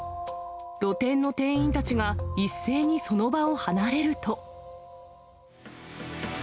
露店の店員たちが、一斉にその場を離れると。